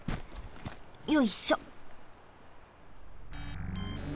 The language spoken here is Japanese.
よいしょ。